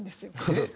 えっ？